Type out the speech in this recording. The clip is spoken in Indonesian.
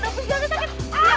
tante jangan jangan